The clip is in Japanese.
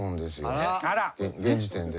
現時点で。